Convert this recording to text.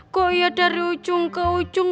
kok iya dari ujung ke ujung